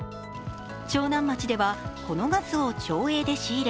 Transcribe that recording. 長南町では、このガスを町営で仕入れ